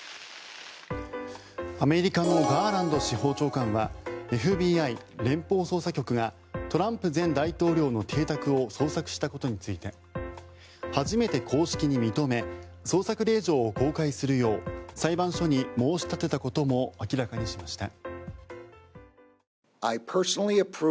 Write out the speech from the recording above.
アメリカのガーランド司法長官はＦＢＩ・連邦捜査局がトランプ前大統領の邸宅を捜索したことについて初めて公式に認め捜索令状を公開するよう裁判所に申し立てたことも明らかにしました。